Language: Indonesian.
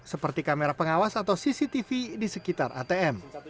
seperti kamera pengawas atau cctv di sekitar atm